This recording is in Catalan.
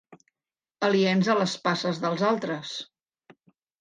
Aliens a les passes dels altres.